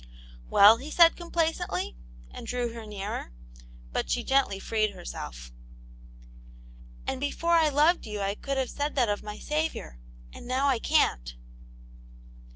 " Well ?" he said, complacently, and drew her nearer, but she gently freed herself. " And before I loved you I could have said that of my Saviour, and now I can't."